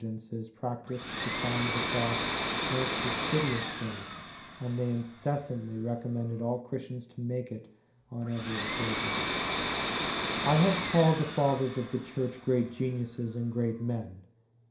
4* 42 The Sign of the Cross practised the Sign of the Cross most assid uously, and they incessantly recommended all Christians to make it on every occasion. I have called the Fathers of the Church great genuises and great men.